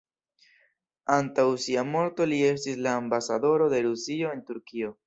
Antaŭ sia morto li estis la ambasadoro de Rusio en Turkio.